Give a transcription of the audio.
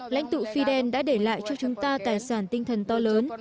lãnh tụ fidel đã để lại cho chúng ta tài sản tinh thần to lớn